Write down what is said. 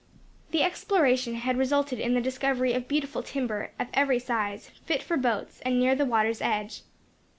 The exploration had resulted in the discovery of beautiful timber, of every size, fit for boats, and near the water's edge.